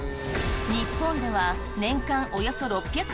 日本では年間およそ６００万ｔ。